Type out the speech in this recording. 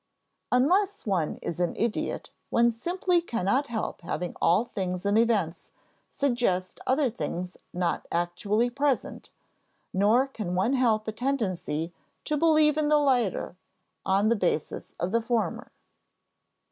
Unless one is an idiot, one simply cannot help having all things and events suggest other things not actually present, nor can one help a tendency to believe in the latter on the basis of the former.